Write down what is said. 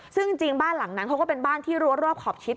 ซึ่งจริงบ้านหลังนั้นเขาก็เป็นบ้านที่รั้วรอบขอบชิด